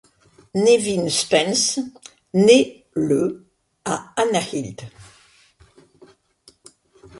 Nevin Spence naît le à Annahilt.